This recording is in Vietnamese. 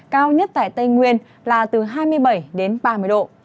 cao nhất tại tây nguyên là từ hai mươi bảy đến ba mươi độ